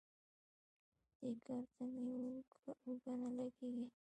دې کار ته مې اوږه نه لګېږي.